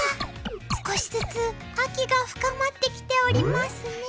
少しずつ秋が深まってきておりますね。